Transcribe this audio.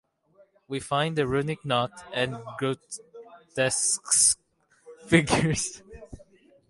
We find a runic knot and grotesque figures.